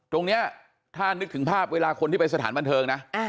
ตรงนี้ถ้านึกถึงภาพเวลาคนที่ไปสถานบันเทิงนะ